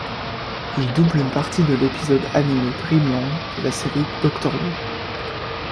Il double une partie de l’épisode animé Dreamland de la série Doctor Who.